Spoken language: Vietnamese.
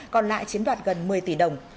còn lại chiếm đoạt gần một mươi tỷ đồng